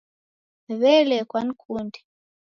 W'elee kwanikunde?